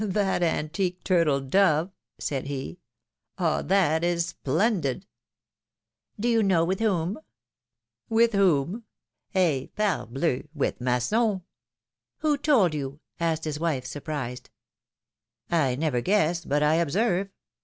^^That antique turtle dove!^^ said he. ^^Ah! that is splendid ! Do you know with whom ? AVith whom ? Eh ! parhleu ! with Masson !" Who told you?^' asked his wife, surprised. I never guess, but I observe.